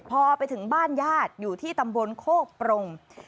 พอไปถึงบ้านญาติอยู่ที่ตำบลโคกปรง